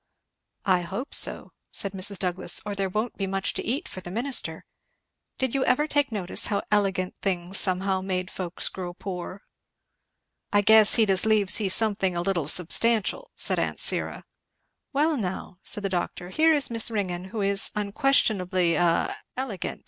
"I hope so," said Mrs. Douglass, "or there won't be much to eat for the minister. Did you never take notice how elegant things somehow made folks grow poor?" "I guess he'd as leave see something a little substantial," said aunt Syra. "Well now," said the doctor, "here is Miss Ringgan, who is unquestionably a elegant!